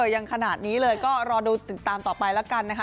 ยังขนาดนี้เลยก็รอดูติดตามต่อไปแล้วกันนะคะ